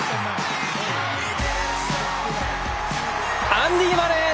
アンディ・マレー。